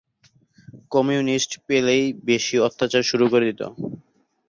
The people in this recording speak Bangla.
কমিউনিস্ট পেলেই বেশি অত্যাচার শুরু করে দিত।